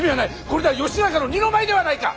これでは義仲の二の舞ではないか！